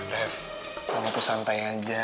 drive kamu tuh santai aja